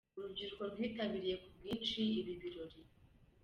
Urubyiruko rwitabiriye ku bwinshi ibi birori.